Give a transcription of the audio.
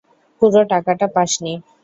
পুরো টাকাটা পাসনি।